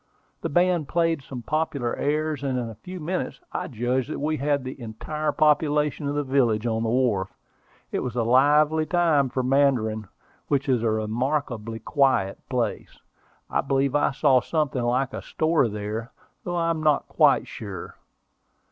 The band played some popular airs, and in a few minutes I judged that we had the entire population of the village on the wharf. It was a lively time for Mandarin, which is a remarkably quiet place. I believe I saw something like a store there, though I am not quite sure.